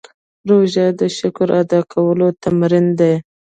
روژه د شکر ادا کولو تمرین دی.